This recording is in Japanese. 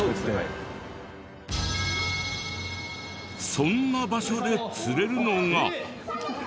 そんな場所で釣れるのが。